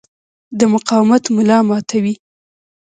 د مقاومت ملا ماتوي.